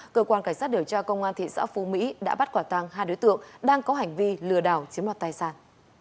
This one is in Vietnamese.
cơ quan cảnh sát điều tra công an thị xã phú mỹ đã bắt quả tàng hai đối tượng đang có hành vi lừa đảo chiếm đoạt tài sản